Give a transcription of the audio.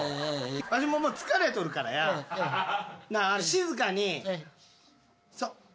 わしももう疲れとるから静かにそう。